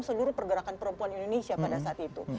seluruh pergerakan perempuan indonesia pada saat itu